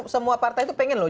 semua partai itu pengen loh